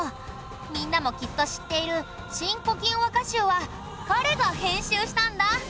みんなもきっと知っている『新古今和歌集』は彼が編集したんだ。